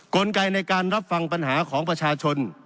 กลไกในการรับฟังปัญหาของประชาชน